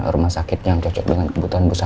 rumah sakit yang cocok dengan kebutuhan busara pak